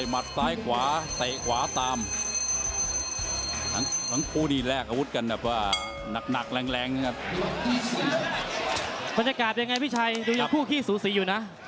บรรยากาศยังไงพี่ชัยดูยังคู่ขี้สูสีอยู่นะ